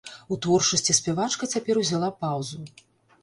У творчасці спявачка цяпер узяла паўзу.